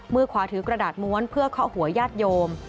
มือขวาถือกระดาษม้วนเพื่อเคาะหัวญาติโยม